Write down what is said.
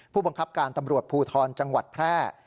ผู้บังคับการตำรวจภูทรจังหวัดแพร่